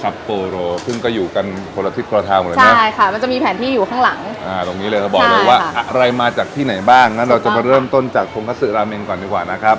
บอกเลยว่าอะไรมาจากที่ไหนบ้างงั้นเราจะไปเริ่มต้นจากราเมงก่อนดีกว่านะครับ